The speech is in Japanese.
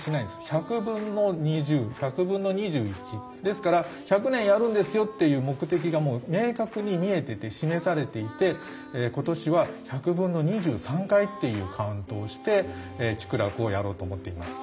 １００分の２０１００分の２１。ですから１００年やるんですよっていう目的が明確に見えてて示されていて今年は１００分の２３回っていうカウントをして竹楽をやろうと思っています。